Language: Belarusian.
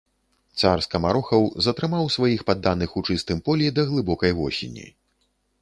Цар скамарохаў затрымаў сваіх падданых у чыстым полі да глыбокай восені.